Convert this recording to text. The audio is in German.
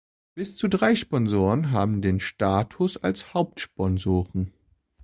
Bis zu drei Sponsoren haben den Status als Hauptsponsoren.